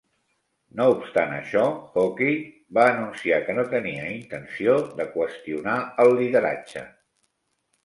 No obstant això, Hockey va anunciar que no tenia intenció de qüestionar el lideratge.